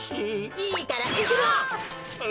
いいからいくの。